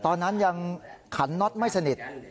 ตอนนั้นยังขันน็อตไม่สนิท